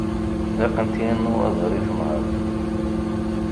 Laqent-iyi nnwaḍer i tenhert.